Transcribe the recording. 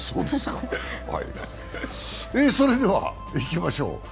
それでは、いきましょう。